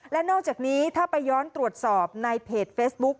และนอกจากนี้ถ้าไปย้อนตรวจสอบในเพจเฟซบุ๊ค